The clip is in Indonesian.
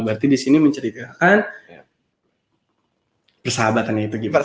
berarti di sini menceritakan persahabatan supply